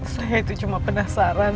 saya itu cuma penasaran